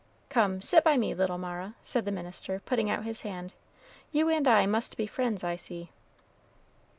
"Come, sit by me, little Mara," said the minister, putting out his hand; "you and I must be friends, I see."